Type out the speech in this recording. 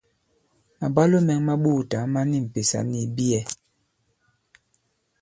Màbwalo mɛ̄ŋ mā ɓoòtǎŋ ma ni m̀pèsà nì ìbiyɛ.